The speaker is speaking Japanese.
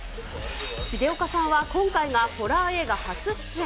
重岡さんは今回がホラー映画初出演。